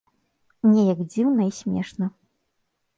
Неяк дзіўна і смешна.